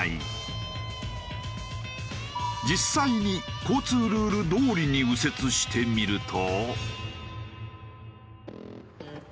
実際に交通ルールどおりに右折してみると。